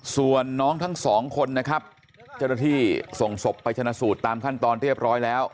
ส่วนน้องทั้งสองคนนะครับเจ้าหน้าที่ส่งศพไปชนะสูตรตามขั้นตอนเรียบร้อยแล้ว